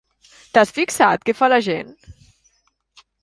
T'has fixat, què fa la gent?